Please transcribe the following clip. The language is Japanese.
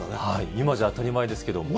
今じゃ当たり前ですけども。